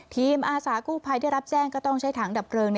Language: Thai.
อาสากู้ภัยได้รับแจ้งก็ต้องใช้ถังดับเพลิง